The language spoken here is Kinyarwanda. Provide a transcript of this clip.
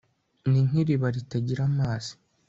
ni nk'iriba ritagira amazi